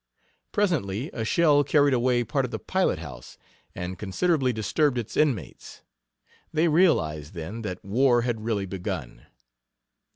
Presently a shell carried away part of the pilot house and considerably disturbed its inmates. They realized, then, that war had really begun.